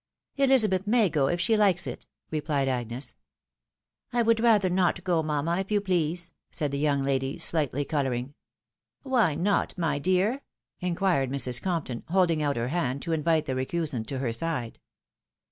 " Elizabeth may go if she hkes it,'' replied Agnes. " I would rather not go, mamma, if you please,'' said the young lady, shghtly colouring. "Why not, my dear?" inquired Mrs. Compton, holding outlier hand to invite the recusant to her side.